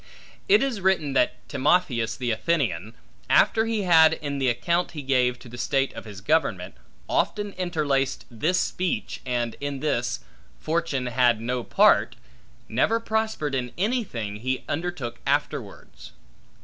It is written that Timotheus the Athenian, after he had, in the account he gave to the state of his government, often interlaced this speech, and in this, Fortune had no part, never prospered in anything, he undertook afterwards.